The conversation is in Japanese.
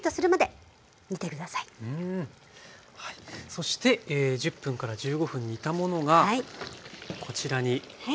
そして１０分から１５分煮たものがこちらにありますね。